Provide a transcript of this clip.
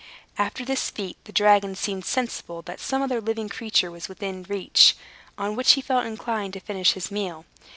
After this feat, the dragon seemed sensible that some other living creature was within reach, on which he felt inclined to finish his meal.